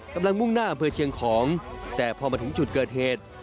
มุ่งหน้าอำเภอเชียงของแต่พอมาถึงจุดเกิดเหตุ